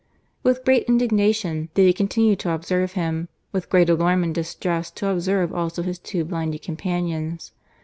With great indignation did he continue to observe him; with great alarm and distrust, to observe also his two blinded companions.